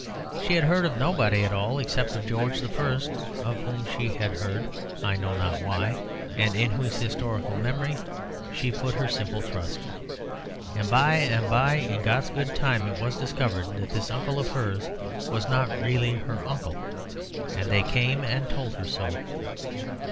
She had heard of nobody at all, except of George the First, of whom she had heard (I know not why), and in whose historical memory she put her simple trust. And by and by in God's good time, it was discovered that this uncle of hers was not really her uncle, and they came and told her so.